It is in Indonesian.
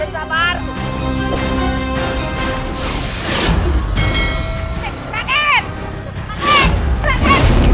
sabar aku rajen